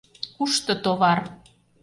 Кушто товар?